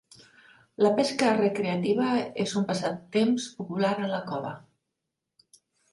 La pesca recreativa és un passatemps popular a la cova.